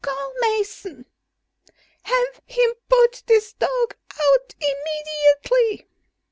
Call Mason! Have him put this dog out immediately!"